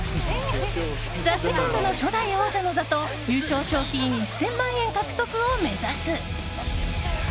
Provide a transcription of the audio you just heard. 「ＴＨＥＳＥＣＯＮＤ」の初代王者の座と優勝賞金１０００万円獲得を目指す。